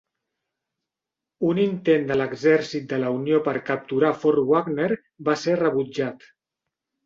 Un intent de l'exèrcit de la Unió per capturar Fort Wagner va ser rebutjat.